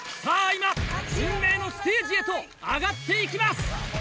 今運命のステージへと上がっていきます！